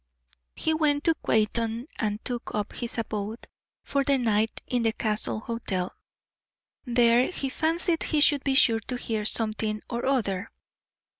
He went to Quainton and took up his abode for the night in the Castle Hotel. There he fancied he should be sure to hear something or other.